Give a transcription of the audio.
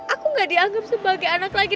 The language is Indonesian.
aku nggak dianggap sebagai anak lagi